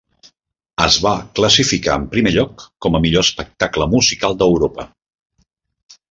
Es va classificar en primer lloc com a millor espectacle musical d'Europa.